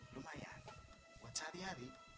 lumayan buat sehari hari